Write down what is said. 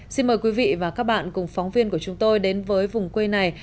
xin mời quý vị và các bạn cùng phóng viên của chúng tôi đến với vùng quê này